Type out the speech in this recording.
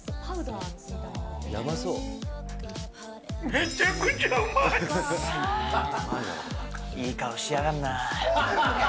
めちゃくちゃうまい！いい顔してやがんな。